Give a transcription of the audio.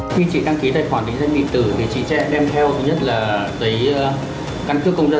khi chị đăng ký tài khoản định danh điện tử thì chị sẽ đem theo thứ nhất là cái căn cước công dân